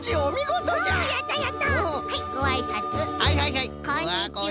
はいはいはいこんにちは。